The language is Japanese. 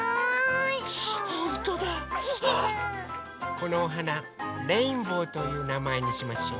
このおはなレインボーというなまえにしましょう。